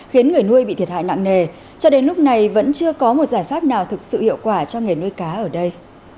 khiến người nuôi bị thiệt hại nặng nề cho đến lúc này vẫn chưa có một giải pháp nào thực sự hiệu quả cho nghề nuôi cá ở đây